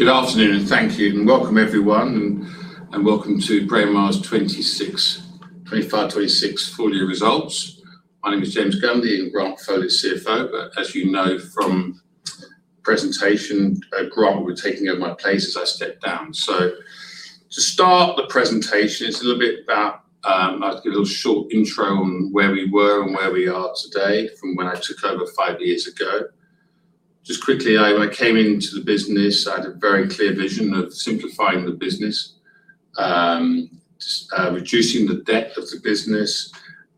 Good afternoon, and thank you, and welcome, everyone, to Braemar's 2025 2026 Full Year Results. My name is James Gundy, and Grant Foley, CFO, but as you know from presentation, Grant will be taking over my place as I step down. To start the presentation, it's a little short intro on where we were and where we are today from when I took over five years ago. Just quickly, I came into the business. I had a very clear vision of simplifying the business, reducing the debt of the business,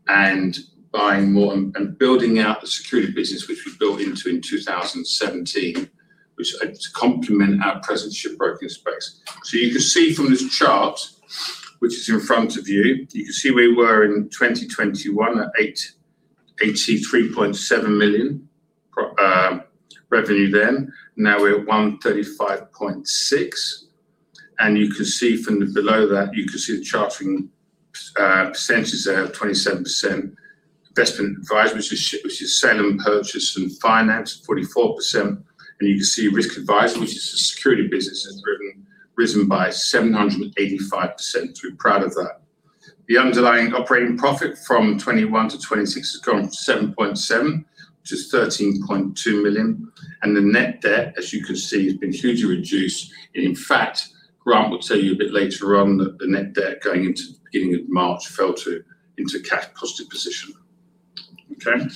and buying more, and building out the security business, which we built into in 2017, which to complement our presence shipbroking space. You can see from this chart, which is in front of you can see we were in 2021 at 83.7 million revenue then. Now we're at 135.6 million. You can see from below that, you can see the chartering percentage there of 27%. Investment advice, which is sale and purchase and finance, 44%. You can see risk advice, which is the security business, has risen by 785%. We're proud of that. The underlying operating profit from 2021 to 2026 has gone from 7.7, which is 13.2 million. The net debt, as you can see, has been hugely reduced. In fact, Grant Foley will tell you a bit later on that the net debt going into the beginning of March fell into cash positive position. Okay.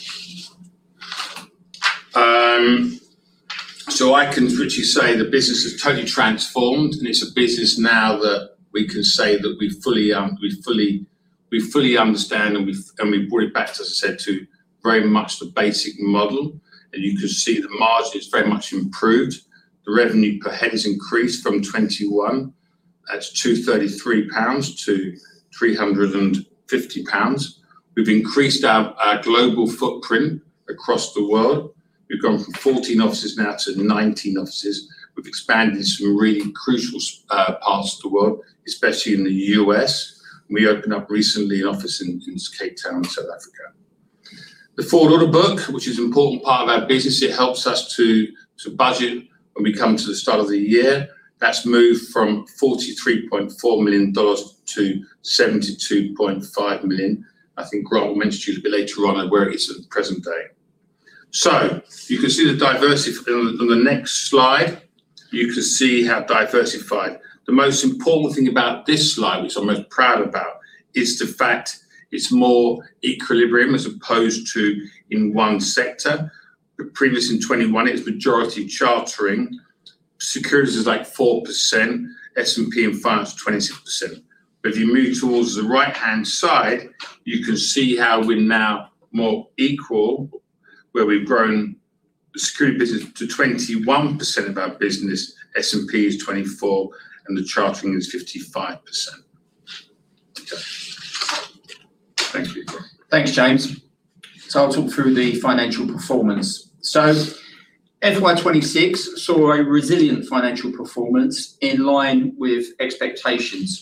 I can virtually say the business has totally transformed, and it's a business now that we can say that we fully understand, and we've brought it back, as I said, to very much the basic model. You can see the margin is very much improved. The revenue per head has increased from 2021. That's 233 pounds to 350 pounds. We've increased our global footprint across the world. We've gone from 14 offices now to 19 offices. We've expanded to some really crucial parts of the world, especially in the U.S. We opened up recently an office in Cape Town, South Africa. The forward order book, which is an important part of our business, it helps us to budget when we come to the start of the year. That's moved from $43.4 million to $72.5 million. I think Grant will mention to you a bit later on at where it is at present day. You can see the diversity on the next slide, you can see how diversified. The most important thing about this slide, which I'm most proud about, is the fact it's more equilibrium as opposed to in one sector. Previous in FY 2021, it was majority chartering. Securities is like 4%, S&P and finance, 26%. If you move towards the right-hand side, you can see how we're now more equal, where we've grown the security business to 21% of our business. S&P is 24%, and the chartering is 55%. Okay. Thank you. Thanks, James. I'll talk through the financial performance. FY 2026 saw a resilient financial performance in line with expectations.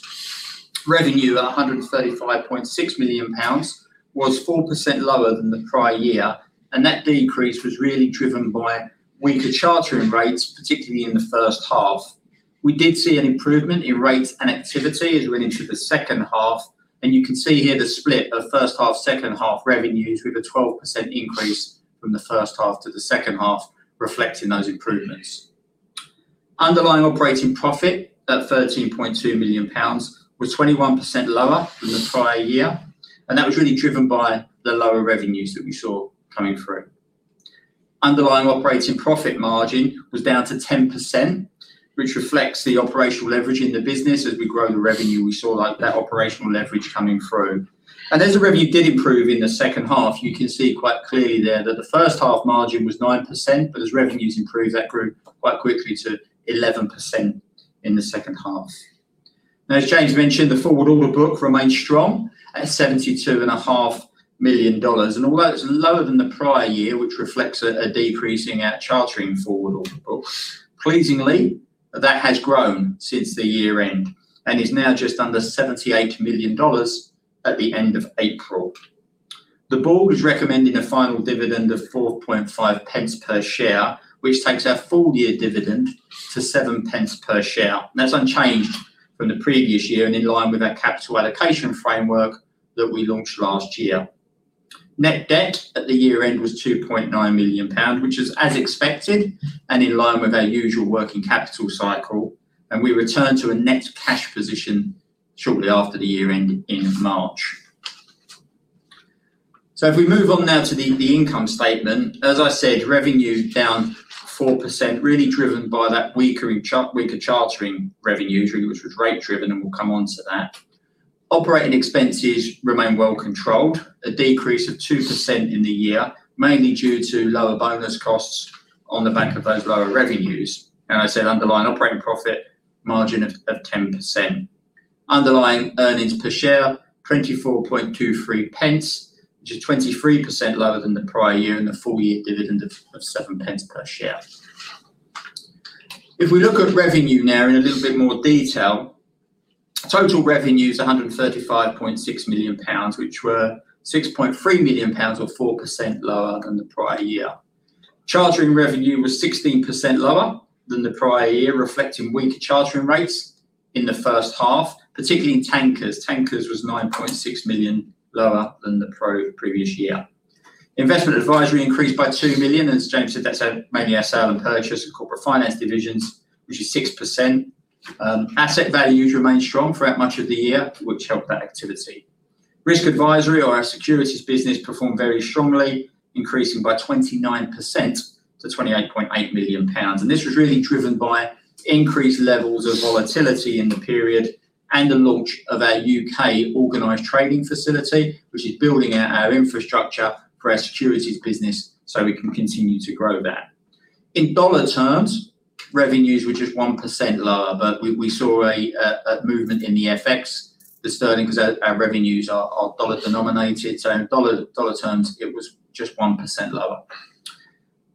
Revenue, at 135.6 million pounds, was 4% lower than the prior year. That decrease was really driven by weaker chartering rates, particularly in the first half. We did see an improvement in rates and activity as we went into the second half. You can see here the split of first half, second half revenues, with a 12% increase from the first half to the second half reflecting those improvements. Underlying operating profit, at 13.2 million pounds, was 21% lower than the prior year. That was really driven by the lower revenues that we saw coming through. Underlying operating profit margin was down to 10%, which reflects the operational leverage in the business. As we grow the revenue, we saw that operational leverage coming through. As the revenue did improve in the second half, you can see quite clearly there that the first half margin was 9%, but as revenues improved, that grew quite quickly to 11% in the second half. Now, as James mentioned, the forward order book remains strong at $72.5 million. Although it's lower than the prior year, which reflects a decrease in our chartering forward order books, pleasingly, that has grown since the year-end and is now just under $78 million at the end of April. The board is recommending a final dividend of 0.045 per share, which takes our full-year dividend to 0.07 per share. That's unchanged from the previous year and in line with our capital allocation framework that we launched last year. Net debt at the year-end was 2.9 million pounds, which is as expected and in line with our usual working capital cycle, and we returned to a net cash position shortly after the year-end in March. If we move on now to the income statement, as I said, revenue down 4%, really driven by that weaker chartering revenue, which was rate driven, and we'll come onto that. Operating expenses remain well controlled, a decrease of 2% in the year, mainly due to lower bonus costs on the back of those lower revenues. I said underlying operating profit margin of 10%. Underlying earnings per share, 24.23 pence, which is 23% lower than the prior year, and the full-year dividend of 7 pence per share. If we look at revenue now in a little bit more detailTotal revenues 135.6 million pounds, which were 6.3 million pounds or 4% lower than the prior year. Chartering revenue was 16% lower than the prior year, reflecting weaker chartering rates in the first half, particularly in tankers. Tankers was 9.6 million lower than the previous year. Investment advisory increased by 2 million. As James said, that's mainly our sale and purchase of corporate finance divisions, which is 6%. Asset values remained strong throughout much of the year, which helped that activity. Risk advisory or our securities business performed very strongly, increasing by 29% to 28.8 million pounds. This was really driven by increased levels of volatility in the period and the launch of our U.K. Organised Trading Facility, which is building out our infrastructure for our securities business so we can continue to grow that. In USD terms, revenues were just 1% lower, but we saw a movement in the FX, the sterling, because our revenues are dollar denominated. In dollar terms, it was just 1% lower.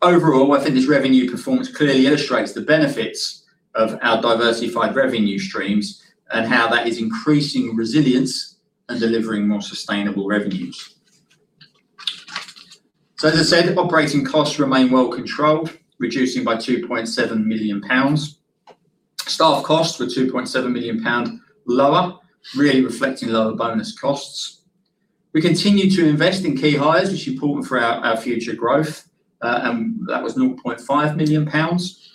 Overall, I think this revenue performance clearly illustrates the benefits of our diversified revenue streams and how that is increasing resilience and delivering more sustainable revenues. As I said, operating costs remain well controlled, reducing by 2.7 million pounds. Staff costs were 2.7 million pound lower, really reflecting lower bonus costs. We continued to invest in key hires, which is important for our future growth, and that was 0.5 million pounds.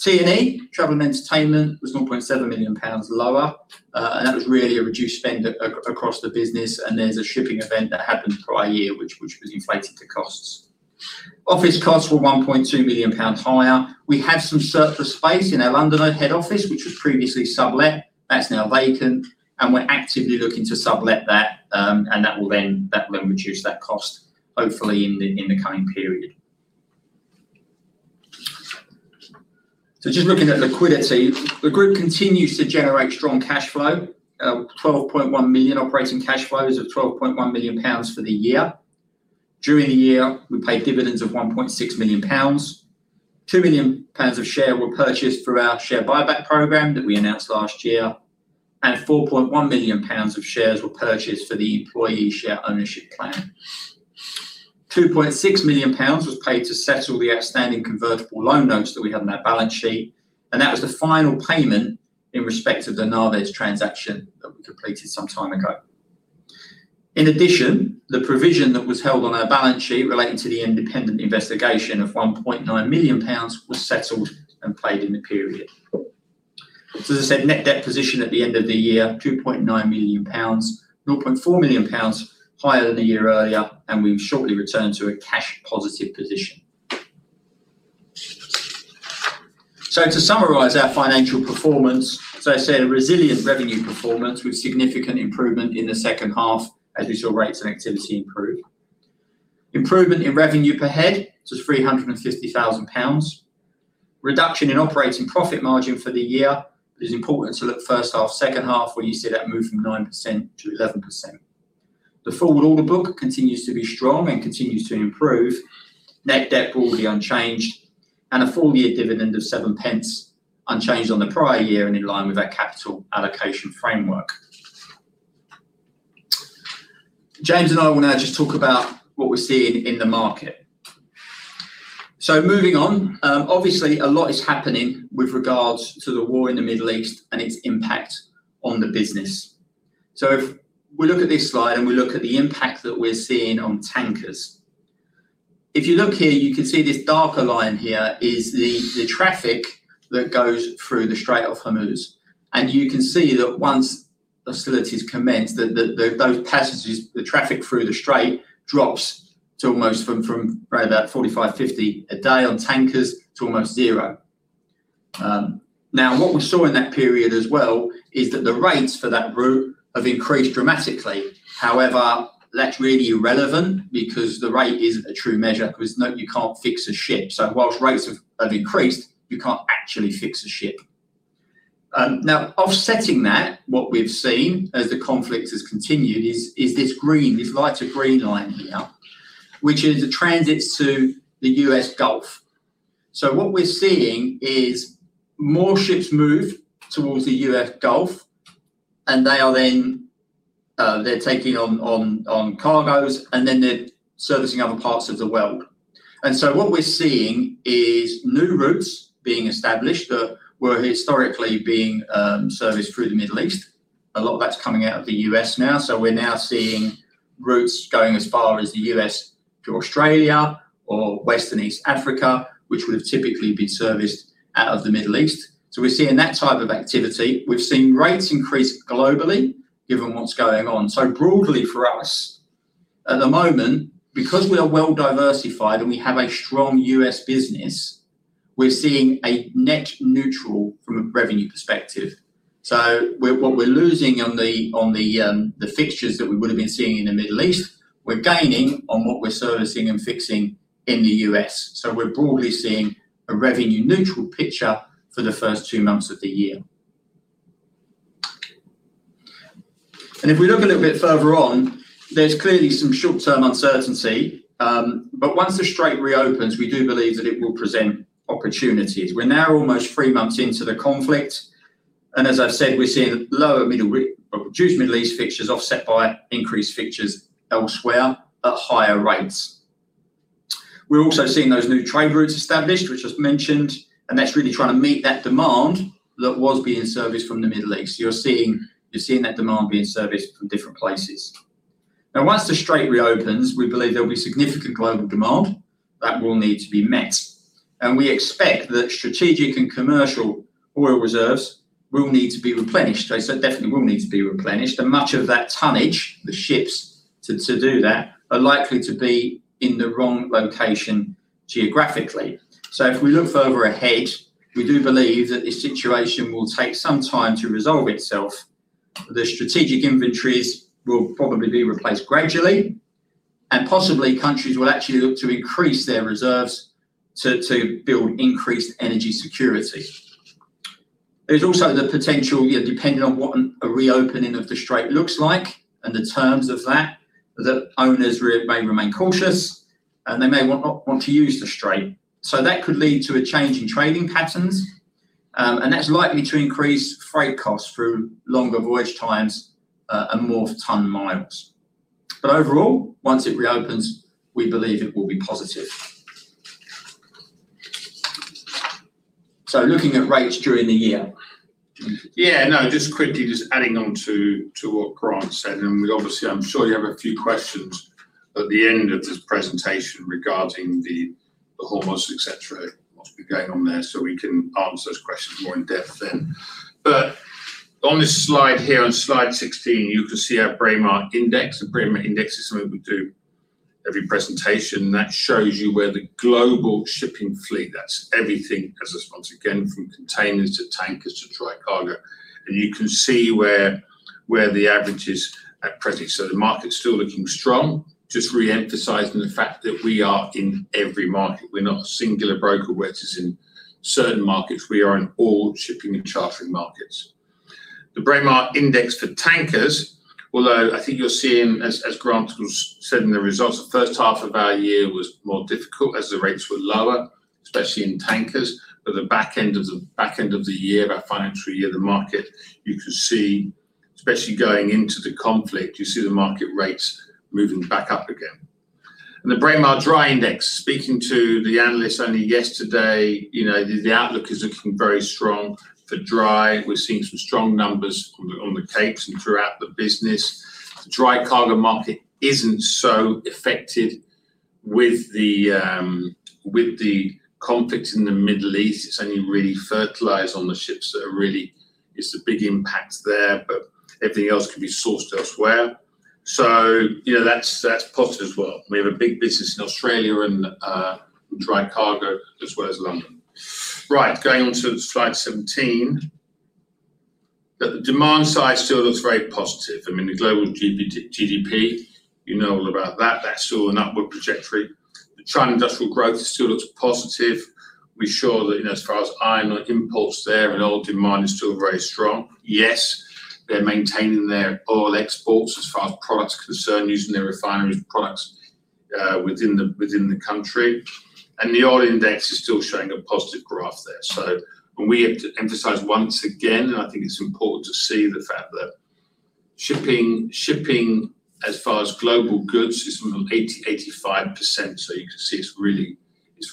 T&E, travel and entertainment, was 0.7 million pounds lower, and that was really a reduced spend across the business, and there's a shipping event that happened prior year, which was inflated to costs. Office costs were 1.2 million pounds higher. We have some surplus space in our London head office, which was previously sublet. That's now vacant, and we're actively looking to sublet that, and that will then reduce that cost hopefully in the coming period. Just looking at liquidity, the group continues to generate strong cash flow. Operating cash flow is at 12.1 million pounds for the year. During the year, we paid dividends of 1.6 million pounds. 2 million pounds of share were purchased through our share buyback program that we announced last year, and 4.1 million pounds of shares were purchased for the employee share ownership plan. 2.6 million pounds was paid to settle the outstanding convertible loan notes that we had on our balance sheet, and that was the final payment in respect of the NAVES transaction that we completed some time ago. In addition, the provision that was held on our balance sheet relating to the independent investigation of 1.9 million pounds was settled and paid in the period. As I said, net debt position at the end of the year, 2.9 million pounds, 0.4 million pounds higher than the year earlier, and we've shortly returned to a cash positive position. To summarize our financial performance, as I said, a resilient revenue performance with significant improvement in the second half as we saw rates and activity improve. Improvement in revenue per head to 350,000 pounds. Reduction in operating profit margin for the year is important to look first half, second half, where you see that move from 9%-11%. The forward order book continues to be strong and continues to improve. Net debt broadly unchanged, and a full-year dividend of 0.07 unchanged on the prior year and in line with our capital allocation framework. James and I will now just talk about what we're seeing in the market. Moving on. Obviously, a lot is happening with regards to the war in the Middle East and its impact on the business. If we look at this slide and we look at the impact that we're seeing on tankers, if you look here, you can see this darker line here is the traffic that goes through the Strait of Hormuz, and you can see that once hostilities commenced, those passages, the traffic through the strait drops to almost from about 45, 50 a day on tankers to almost zero. What we saw in that period as well is that the rates for that route have increased dramatically. That's really irrelevant because the rate isn't a true measure because, note, you can't fix a ship. Whilst rates have increased, you can't actually fix a ship. Offsetting that, what we've seen as the conflict has continued is this green, this lighter green line here, which is the transits to the U.S. Gulf. What we're seeing is more ships move towards the U.S. Gulf, and they're taking on cargoes, and then they're servicing other parts of the world. What we're seeing is new routes being established that were historically being serviced through the Middle East. A lot of that's coming out of the U.S. now. We're now seeing routes going as far as the U.S. to Australia or West and East Africa, which would have typically been serviced out of the Middle East. We're seeing that type of activity. We've seen rates increase globally given what's going on. Broadly for us at the moment, because we are well diversified and we have a strong U.S. business, we're seeing a net neutral from a revenue perspective. What we're losing on the fixtures that we would have been seeing in the Middle East, we're gaining on what we're servicing and fixing in the U.S. We're broadly seeing a revenue neutral picture for the first two months of the year. If we look a little bit further on, there's clearly some short-term uncertainty. Once the strait reopens, we do believe that it will present opportunities. We're now almost three months into the conflict, and as I've said, we're seeing reduced Middle East fixtures offset by increased fixtures elsewhere at higher rates. We're also seeing those new trade routes established, which I've mentioned, and that's really trying to meet that demand that was being serviced from the Middle East. You're seeing that demand being serviced from different places. Now, once the strait reopens, we believe there'll be significant global demand that will need to be met, and we expect that strategic and commercial oil reserves will need to be replenished. They definitely will need to be replenished, and much of that tonnage, the ships to do that, are likely to be in the wrong location geographically. If we look further ahead, we do believe that this situation will take some time to resolve itself. The strategic inventories will probably be replaced gradually, and possibly countries will actually look to increase their reserves to build increased energy security. There's also the potential, depending on what a reopening of the strait looks like and the terms of that owners may remain cautious, and they may not want to use the strait. That could lead to a change in trading patterns, and that's likely to increase freight costs through longer voyage times and more tonne miles. Overall, once it reopens, we believe it will be positive. Looking at rates during the year. Yeah, no, just quickly, just adding on to what Grant said, and obviously, I'm sure you have a few questions at the end of this presentation regarding the Hormuz, et cetera, what'll be going on there, so we can answer those questions more in-depth then. On this slide here, on slide 16, you can see our Braemar Index. The Braemar Index is something we do every presentation. That shows you where the global shipping fleet, that's everything as this, once again, from containers to tankers to dry cargo. You can see where the average is at present. The market's still looking strong. Just re-emphasizing the fact that we are in every market. We're not a singular broker, which is in certain markets. We are in all shipping and chartering markets. The Braemar Index for tankers, although I think you're seeing, as Grant was saying, the results the first half of our year was more difficult as the rates were lower, especially in tankers. The back end of the year, our financial year, the market, you can see, especially going into the conflict, you see the market rates moving back up again. The Braemar Dry Index, speaking to the analyst only yesterday, the outlook is looking very strong for dry. We're seeing some strong numbers on the Capes and throughout the business. The dry cargo market isn't so affected with the conflict in the Middle East. It's only really fertilizer on the ships. It's a big impact there, but everything else can be sourced elsewhere. That's positive as well. We have a big business in Australia in dry cargo as well as London. Right, going on to slide 17. The demand side still looks very positive. The global GDP, you know all about that. That's still an upward trajectory. The China industrial growth still looks positive. We're sure that as far as iron ore impulse there, oil demand is still very strong. Yes, they're maintaining their oil exports as far as products are concerned, using their refineries products within the country. The oil index is still showing a positive growth there. When we emphasize once again, I think it's important to see the fact that shipping as far as global goods is from 80%-85%. You can see it's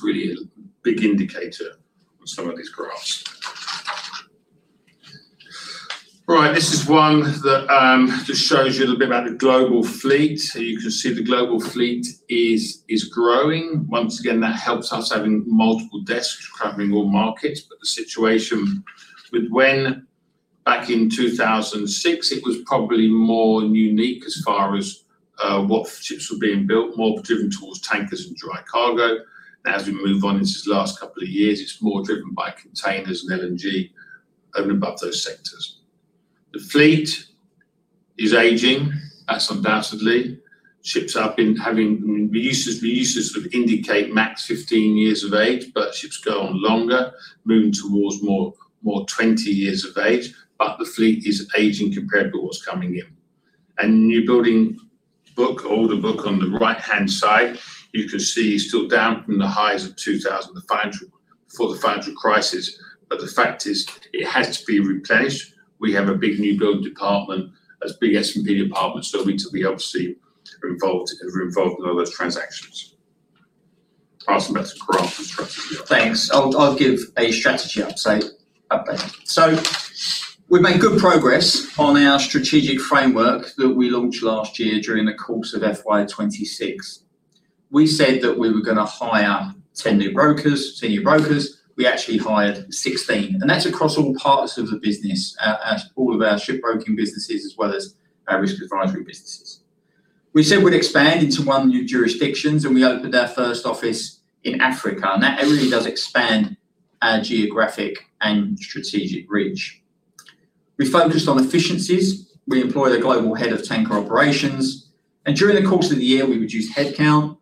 really a big indicator on some of these graphs. Right, this is one that just shows you a little bit about the global fleet. You can see the global fleet is growing. Once again, that helps us having multiple desks covering all markets. The situation with when back in 2006, it was probably more unique as far as what ships were being built, more driven towards tankers and dry cargo. As we move on into this last couple of years, it's more driven by containers and LNG and above those sectors. The fleet is aging, that's undoubtedly. We used to indicate max 15 years of age, ships go on longer, moving towards more 20 years of age. The fleet is aging compared to what's coming in. New building book, older book on the right-hand side, you can see is still down from the highs of 2000, before the financial crisis. The fact is it has to be replenished. We have a big new building department, as big as S&P department, so we need to be obviously involved in all those transactions. I'll ask Grant for strategy. Thanks. I'll give a strategy update. We've made good progress on our strategic framework that we launched last year during the course of FY 2026. We said that we were going to hire 10 new brokers, senior brokers. We actually hired 16, and that's across all parts of the business, at all of our shipbroking businesses as well as our risk advisory businesses. We said we'd expand into 1 new jurisdictions, and we opened our first office in Africa, and that really does expand our geographic and strategic reach. We focused on efficiencies. We employed a global head of tanker operations, and during the course of the year, we reduced headcountWe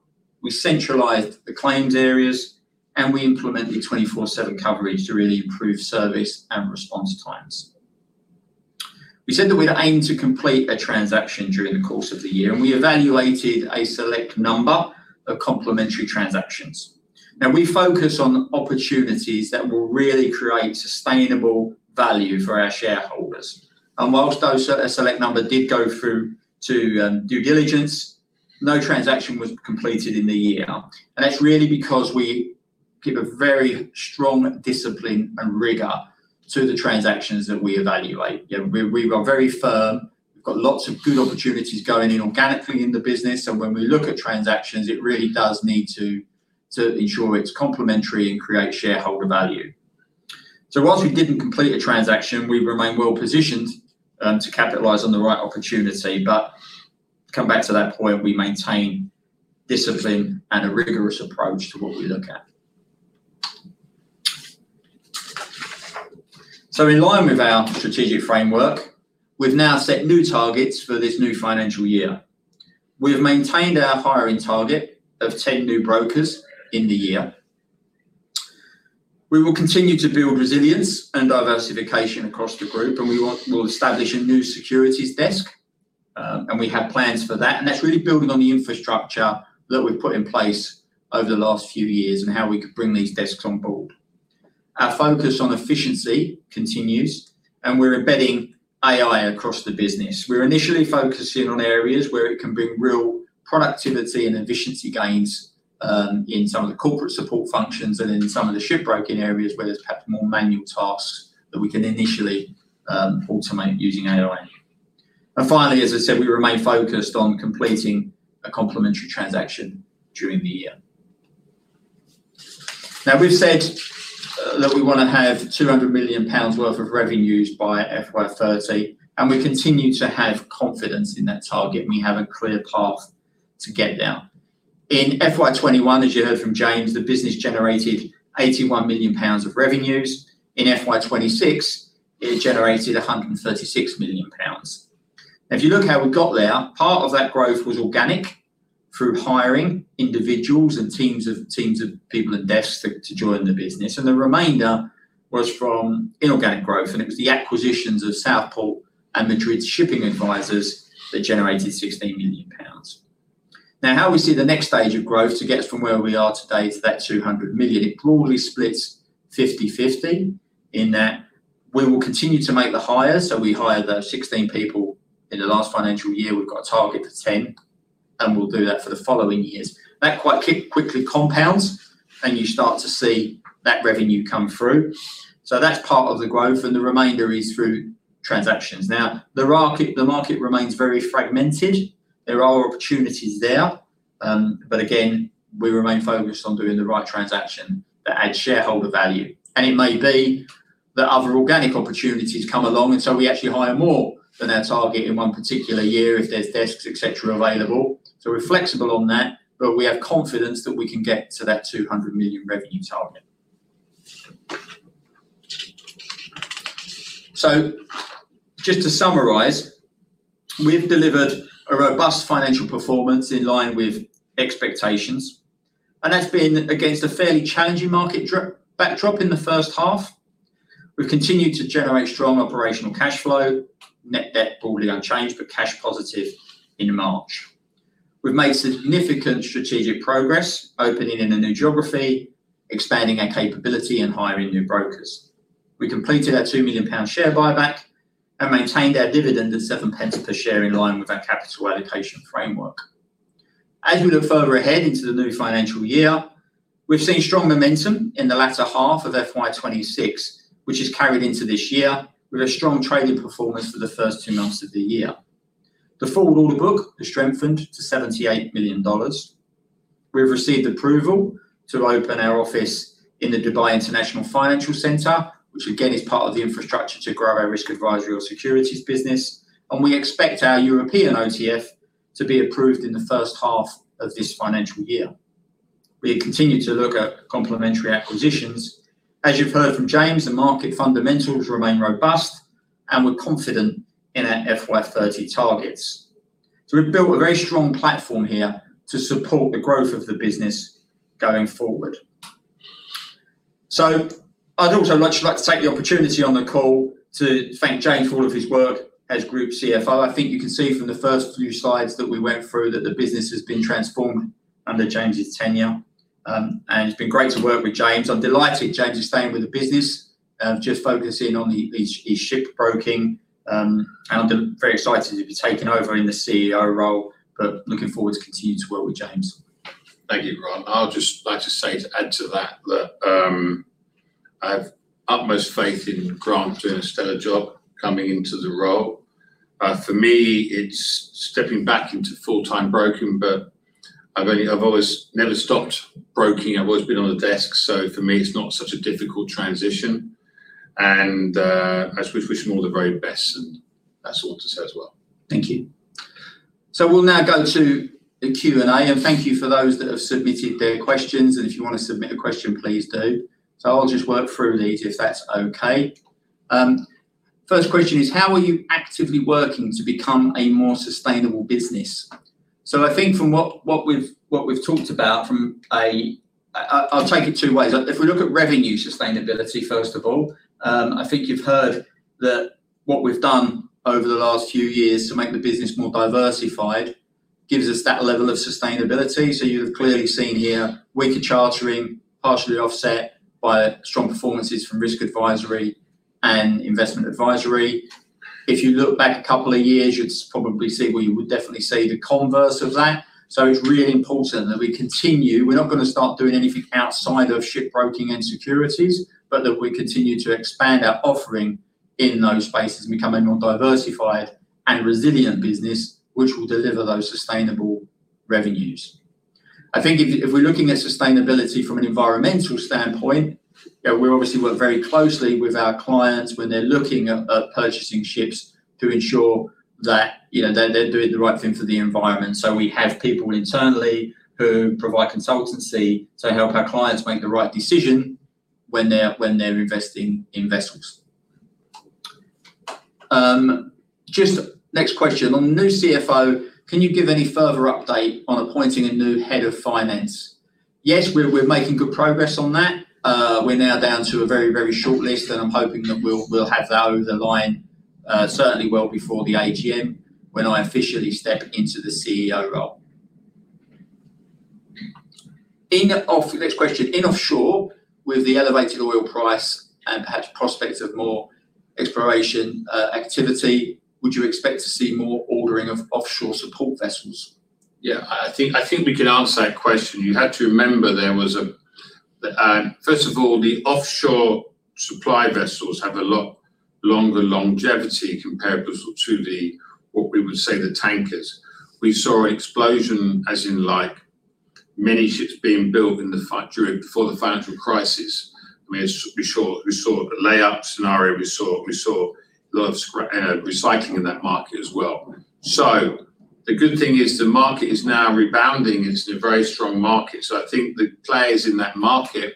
centralized the claims areas, and we implemented 24/7 coverage to really improve service and response times. We said that we'd aim to complete a transaction during the course of the year, and we evaluated a select number of complementary transactions. We focus on opportunities that will really create sustainable value for our shareholders. While those select number did go through to due diligence, no transaction was completed in the year. That's really because we give a very strong discipline and rigor to the transactions that we evaluate. We are very firm. We've got lots of good opportunities going in organically in the business, and when we look at transactions, it really does need to ensure it's complementary and create shareholder value. While we didn't complete a transaction, we remain well positioned to capitalize on the right opportunity. Come back to that point, we maintain discipline and a rigorous approach to what we look at. In line with our strategic framework, we've now set new targets for this new financial year. We have maintained our hiring target of 10 new brokers in the year. We will continue to build resilience and diversification across the group, and we will establish a new securities desk, and we have plans for that. That's really building on the infrastructure that we've put in place over the last few years and how we can bring these desks on board. Our focus on efficiency continues, and we're embedding AI across the business. We're initially focusing on areas where it can bring real productivity and efficiency gains, in some of the corporate support functions and in some of the shipbroking areas where there's perhaps more manual tasks that we can initially automate using AI. Finally, as I said, we remain focused on completing a complementary transaction during the year. We've said that we want to have 200 million pounds worth of revenues by FY 2030, and we continue to have confidence in that target, and we have a clear path to get there. In FY 2021, as you heard from James, the business generated 81 million pounds of revenues. In FY 2026, it generated 136 million pounds. If you look how we got there, part of that growth was organic through hiring individuals and teams of people and desks to join the business, and the remainder was from inorganic growth, and it was the acquisitions of Southport Maritime and Madrid Shipping Advisors that generated 16 million pounds. How we see the next stage of growth to get us from where we are today to that 200 million, it broadly splits 50/50 in that we will continue to make the hires. We hired those 16 people in the last financial year. We've got a target for 10, and we'll do that for the following years. That quite quickly compounds, and you start to see that revenue come through. That's part of the growth, and the remainder is through transactions. Now, the market remains very fragmented. There are opportunities there. Again, we remain focused on doing the right transaction that adds shareholder value. It may be that other organic opportunities come along, and so we actually hire more than our target in one particular year if there's desks, et cetera, available. We're flexible on that, but we have confidence that we can get to that 200 million revenue target. Just to summarize, we've delivered a robust financial performance in line with expectations, and that's been against a fairly challenging market backdrop in the first half. We've continued to generate strong operational cash flow, net debt broadly unchanged, but cash positive in March. We've made significant strategic progress opening in a new geography, expanding our capability, and hiring new brokers. We completed our 2 million pound share buyback and maintained our dividend at 0.07 per share in line with our capital allocation framework. We look further ahead into the new financial year, we've seen strong momentum in the latter half of FY 2026, which has carried into this year with a strong trading performance for the first two months of the year. The forward order book has strengthened to $78 million. We have received approval to open our office in the Dubai International Financial Center, which again, is part of the infrastructure to grow our risk advisory or securities business, and we expect our European OTF to be approved in the first half of this financial year. We continue to look at complementary acquisitions. As you've heard from James, the market fundamentals remain robust, and we're confident in our FY 2030 targets. We've built a very strong platform here to support the growth of the business going forward. I'd also much like to take the opportunity on the call to thank James for all of his work as Group CEO. I think you can see from the first few slides that we went through that the business has been transformed under James' tenure. It's been great to work with James. I'm delighted James is staying with the business, just focusing on his shipbroking. I'm very excited to be taking over in the CEO role, but looking forward to continue to work with James. Thank you, Grant Foley. I'd just like to say to add to that I have utmost faith in Grant Foley doing a stellar job coming into the role. For me, it's stepping back into full-time broking, but I've never stopped broking. I've always been on the desk, so for me, it's not such a difficult transition. I just wish him all the very best, and that's all to say as well. Thank you. We'll now go to the Q&A, thank you for those that have submitted their questions. If you want to submit a question, please do. I'll just work through these if that's okay. First question is, how are you actively working to become a more sustainable business? I think from what we've talked about. I'll take it two ways. If we look at revenue sustainability, first of all, I think you've heard that what we've done over the last few years to make the business more diversified gives us that level of sustainability. You have clearly seen here weaker chartering partially offset by strong performances from risk advisory and investment advisory. If you look back a couple of years, you'd probably see, or you would definitely see the converse of that. It's really important that we continue. We're not going to start doing anything outside of shipbroking and securities, but that we continue to expand our offering in those spaces and become a more diversified and resilient business, which will deliver those sustainable revenues. I think if we're looking at sustainability from an environmental standpoint, we obviously work very closely with our clients when they're looking at purchasing ships to ensure that they're doing the right thing for the environment. We have people internally who provide consultancy to help our clients make the right decision when they're investing in vessels. Next question. On the new CFO, can you give any further update on appointing a new head of finance? Yes, we're making good progress on that. We're now down to a very short list, and I'm hoping that we'll have that over the line, certainly well before the AGM, when I officially step into the CEO role. Next question. "In offshore, with the elevated oil price and perhaps prospects of more exploration activity, would you expect to see more ordering of offshore support vessels? Yeah, I think we can answer that question. You had to remember, first of all, the offshore supply vessels have a lot longer longevity compared to what we would say the tankers. We saw an explosion, as in like many ships being built before the financial crisis. We saw the layup scenario. We saw a lot of recycling in that market as well. The good thing is the market is now rebounding into a very strong market. I think the players in that market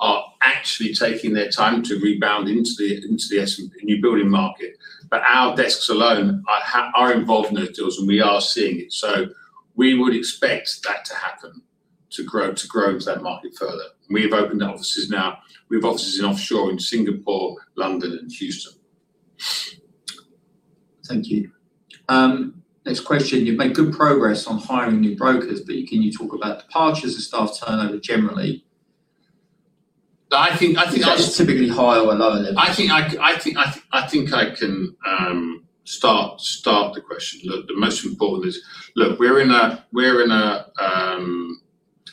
are actually taking their time to rebound into the new building market. Our desks alone are involved in those deals, and we are seeing it. We would expect that to happen, to grow into that market further. We have opened offices now. We have offices in offshore in Singapore, London, and Houston. Thank you. Next question. "You've made good progress on hiring new brokers, but can you talk about departures and staff turnover generally? I think I Is that typically high or a low level? I think I can start the question. Look, the most important is, look, we're in a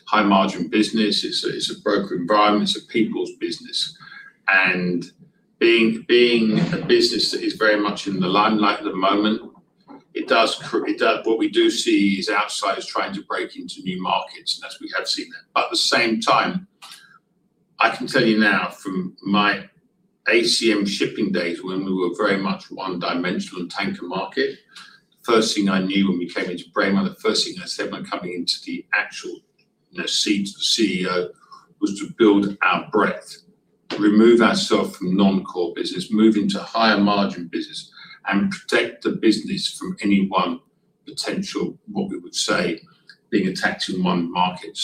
high-margin business. It's a broker environment. It's a people's business. Being a business that is very much in the limelight at the moment, what we do see is outsiders trying to break into new markets, and as we have seen that. At the same time, I can tell you now from my ACM Shipping days when we were very much one-dimensional in tanker market, first thing I knew when we came into Braemar, the first thing I said when coming into the actual seat of CEO was to build our breadth, remove ourself from non-core business, move into higher margin business, and protect the business from any one potential, what we would say, being attacked in one market.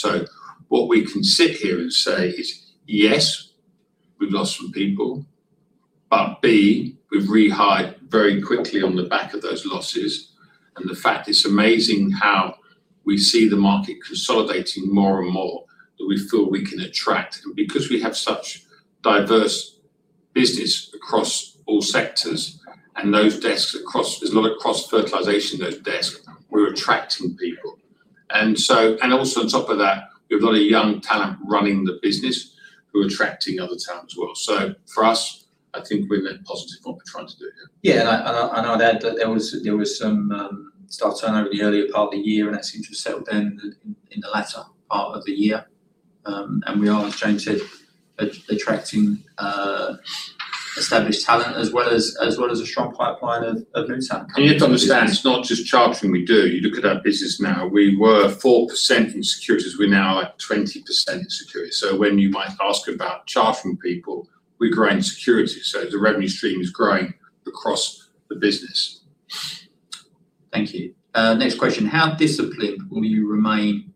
What we can sit here and say is, yes, we've lost some people, but B, we've rehired very quickly on the back of those losses. The fact it's amazing how we see the market consolidating more and more that we feel we can attract. Because we have such diverse business across all sectors and those desks across, there's a lot of cross-fertilization in those desks. We're attracting people. Also on top of that, we have a lot of young talent running the business who are attracting other talent as well. For us, I think we're in a positive mood trying to do it. Yeah, and I'd add that there was some staff turnover in the earlier part of the year, and that seems to have settled down in the latter part of the year. We are, as James said, attracting established talent, as well as a strong pipeline of new talent coming into the business. You have to understand, it's not just chartering we do. You look at our business now, we were 4% in securities. We're now at 20% in securities. When you might ask about chartering people, we're growing securities. The revenue stream is growing across the business. Thank you. Next question. "How disciplined will you remain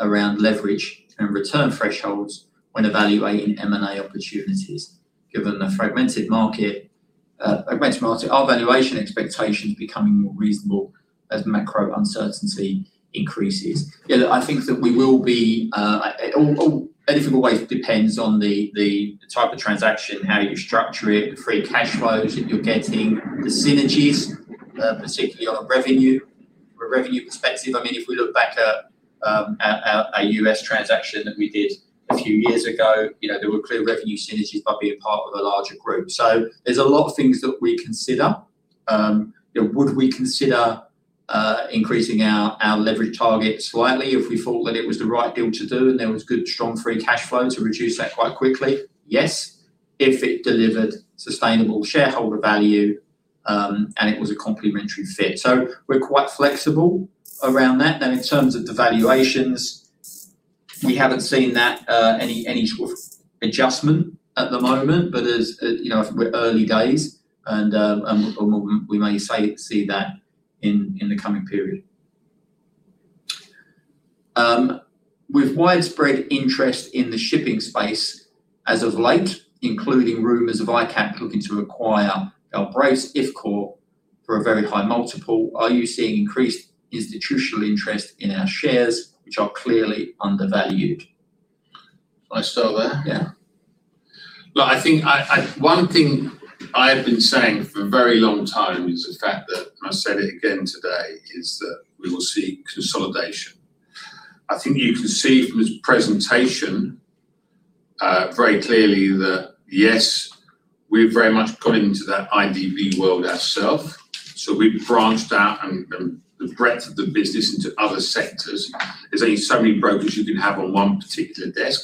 around leverage and return thresholds when evaluating M&A opportunities, given the fragmented market, are valuation expectations becoming more reasonable as macro uncertainty increases?" Yeah, look, I think that we will be A difficult way depends on the type of transaction, how you structure it, the free cash flows that you're getting, the synergies, particularly on a revenue perspective. If we look back at a U.S. transaction that we did a few years ago, there were clear revenue synergies by being part of a larger group. There's a lot of things that we consider. Would we consider increasing our leverage target slightly if we thought that it was the right deal to do and there was good, strong free cash flow to reduce that quite quickly? Yes. If it delivered sustainable shareholder value, and it was a complementary fit. We're quite flexible around that. In terms of the valuations. We haven't seen any sort of adjustment at the moment, but we're early days, and we may see that in the coming period. With widespread interest in the shipping space as of late, including rumors of ICAP looking to acquire Braemar if called for a very high multiple, are you seeing increased institutional interest in our shares, which are clearly undervalued? If I start there? Yeah. One thing I have been saying for a very long time is the fact that, and I said it again today, is that we will see consolidation. I think you can see from this presentation very clearly that yes, we've very much gone into that IDB world ourself. We've branched out and the breadth of the business into other sectors. There's only so many brokers you can have on one particular desk,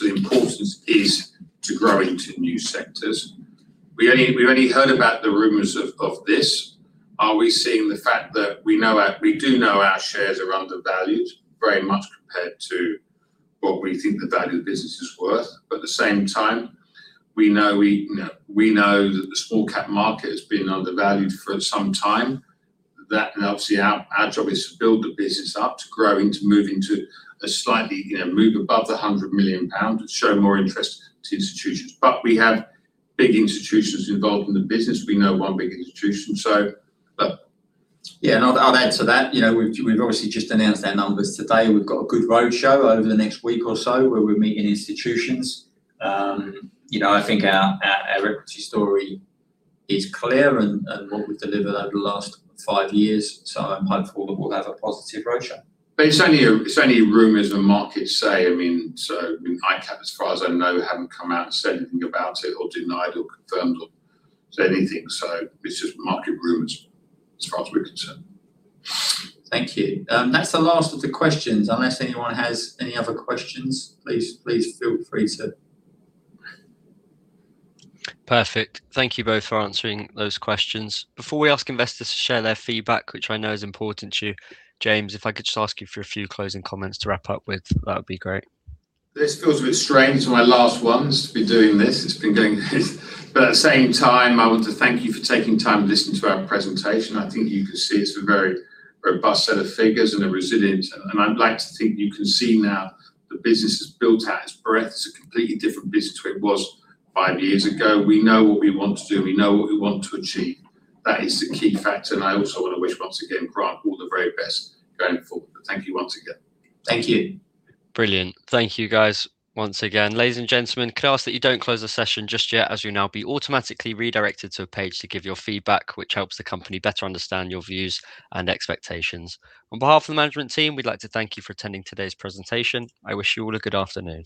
the importance is to grow into new sectors. We've only heard about the rumors of this. Are we seeing the fact that we do know our shares are undervalued very much compared to what we think the value of the business is worth? At the same time, we know that the small cap market has been undervalued for some time. Obviously our job is to build the business up to grow into moving to slightly move above the 100 million pound, show more interest to institutions. We have big institutions involved in the business. We know one big institution. Yeah, I'll add to that. We've obviously just announced our numbers today. We've got a good roadshow over the next week or so where we're meeting institutions. I think our equity story is clear in what we've delivered over the last five years. I'm hopeful that we'll have a positive roadshow. It's only rumors the markets say. ICAP, as far as I know, haven't come out and said anything about it or denied or confirmed or said anything. It's just market rumors as far as we're concerned. Thank you. That's the last of the questions. Unless anyone has any other questions. Perfect. Thank you both for answering those questions. Before we ask investors to share their feedback, which I know is important to you, James, if I could just ask you for a few closing comments to wrap up with, that would be great. This feels a bit strange. My last one to be doing this. It's been going At the same time, I want to thank you for taking time to listen to our presentation. I think you can see it's a very robust set of figures and a resilient, and I'd like to think you can see now the business has built out, its breadth, it's a completely different business to what it was five years ago. We know what we want to do and we know what we want to achieve. That is the key factor, and I also want to wish once again Grant all the very best going forward. Thank you once again. Thank you. Brilliant. Thank you guys once again. Ladies and gentlemen, could I ask that you don't close the session just yet as you'll now be automatically redirected to a page to give your feedback, which helps the company better understand your views and expectations. On behalf of the management team, we'd like to thank you for attending today's presentation. I wish you all a good afternoon.